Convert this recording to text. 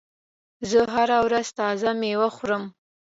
زه هره ورځ تازه میوه خورم.